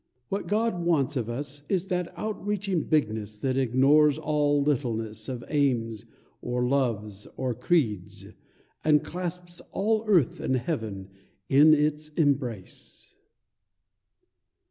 What God wants of us Is that outreaching bigness that ignores All littleness of aims, or loves, or creeds, And clasps all Earth and Heaven in its embrace.